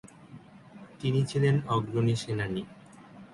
তিনি ছিলেন অগ্রণী সেনানী।